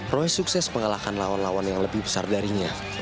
roy sukses mengalahkan lawan lawan yang lebih besar darinya